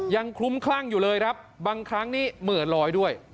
คลุ้มคลั่งอยู่เลยครับบางครั้งนี้เหมือนลอยด้วย